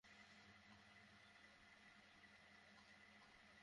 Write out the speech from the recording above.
হেই Jazz, কী খবর?